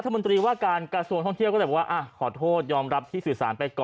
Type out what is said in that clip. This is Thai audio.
บางโซนใช่ไหม